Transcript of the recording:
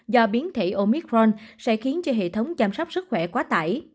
do biến thể omicron sẽ khiến cho hệ thống chăm sóc sức khỏe quá tải